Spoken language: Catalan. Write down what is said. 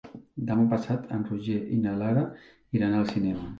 Demà passat en Roger i na Lara iran al cinema.